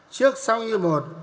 trước sau như một